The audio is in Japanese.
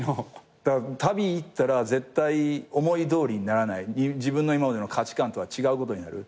旅行ったら絶対思いどおりにならない自分の今までの価値観とは違うことになる。